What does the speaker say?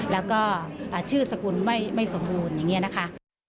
แล้วก็ชื่อสกุลไม่สมบูรณ์อย่างนี้นะคะ